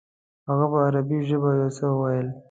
هغه په عربي ژبه یو څه وویل.